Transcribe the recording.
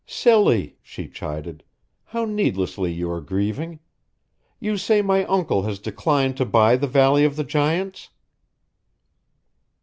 "Silly," she chided, "how needlessly you are grieving! You say my uncle has declined to buy the Valley of the Giants?"